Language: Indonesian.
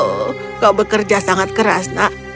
oh kau bekerja sangat keras nak